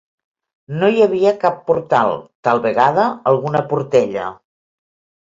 No hi havia cap portal; tal vegada alguna portella.